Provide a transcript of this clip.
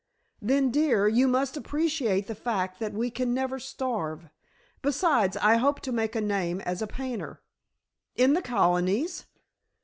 "Then, dear, you must appreciate the fact that we can never starve. Besides I hope to make a name as a painter." "In the Colonies?"